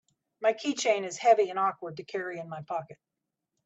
My keychain is heavy and awkward to carry in my pocket.